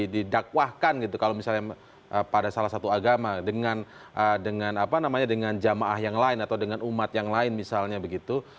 didakwahkan gitu kalau misalnya pada salah satu agama dengan jamaah yang lain atau dengan umat yang lain misalnya begitu